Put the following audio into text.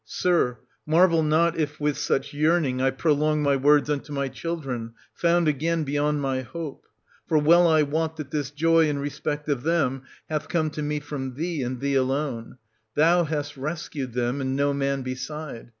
Sir, marvel not, if with such yearning I pro long my words unto my children, found again beyond 1120 my hope. For well I wot that this joy in respect of them hath come to me from thee, and thee alone : thou hast rescued them, and no man beside.